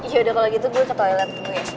yaudah kalau gitu gue ke toilet